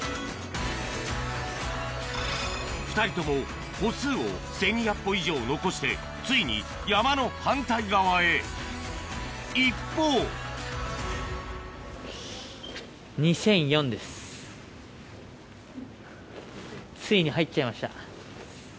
２人とも歩数を１２００歩以上残してついに山の反対側へ一方ついに入っちゃいました。